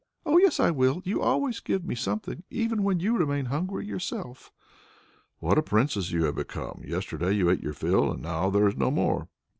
"Oh yes I will. You will always give me something, even when you remain hungry yourself." "What a princess you have become! Yesterday you ate your fill, and now there is no more."